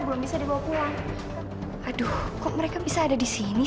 belum bisa dibawa pulang aduh kok mereka bisa ada di sini